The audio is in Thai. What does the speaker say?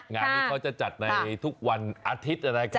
งานนี้เขาจะจัดในทุกวันอาทิตย์